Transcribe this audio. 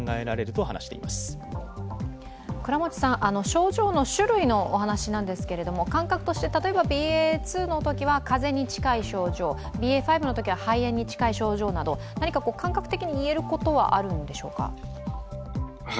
症状の種類のお話なんですが感覚として、例えばＢＡ．２のときは風邪に近い症状、ＢＡ．５のときは肺炎に近い症状など感覚的に言えることはあるんでしょうか？